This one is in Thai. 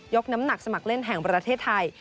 น้ำหนักสมัครเล่นแห่งประเทศไทย